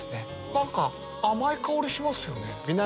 何か甘い香りしますよね。